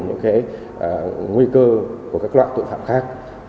nguy cơ của các loại tội phạm khác